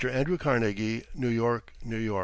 ANDREW CARNEGIE New York, N.Y.